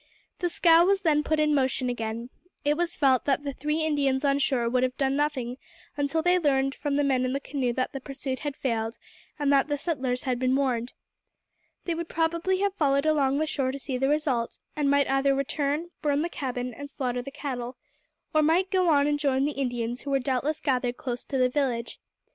The scow was then put in motion again. It was felt that the three Indians on shore would have done nothing until they learned from the men in the canoe that the pursuit had failed, and that the settlers had been warned. They would probably have followed along the shore to see the result, and might either return, burn the cabin, and slaughter the cattle, or might go on and join the Indians who were doubtless gathered close to the village.